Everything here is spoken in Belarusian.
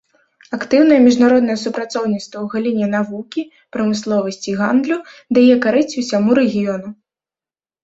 Актыўнае міжнароднае супрацоўніцтва ў галіне навукі, прамысловасці і гандлю дае карысць усяму рэгіёну.